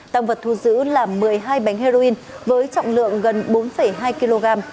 tăng vật thu giữ là một mươi hai bánh heroin với trọng lượng gần bốn hai kg